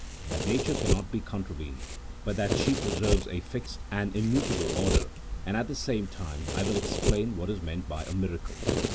That nature cannot be contravened, but that she pre serves a fixed and immutable order, and at the same time I will explain what is meant by a miracle.